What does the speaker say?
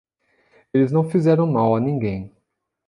Eles não fizeram mal a ninguém.